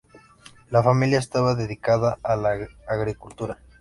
La familia estaba dedicada a la agricultura.